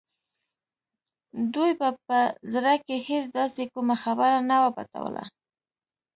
دوی به په زړه کې هېڅ داسې کومه خبره نه وه پټوله